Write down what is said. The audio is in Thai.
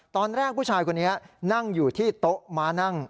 ตอนแรกผู้ชายคนนี้นั่งอยู่ที่โต๊ะม้านั่ง